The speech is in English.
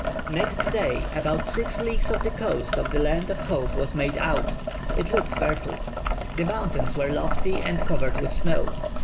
Next day, about six leagues of the coast of the land of Hope was made out. It looked fertile. The mountains were lofty and covered with snow.